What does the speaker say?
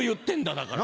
だから。